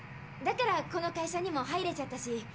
だからこの会社にも入れちゃったし。